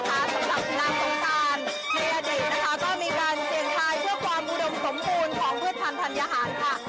สำหรับนางสงการในอดีตนะคะก็มีการเสี่ยงทายเพื่อความอุดมสมบูรณ์ของพืชพันธัญหารค่ะ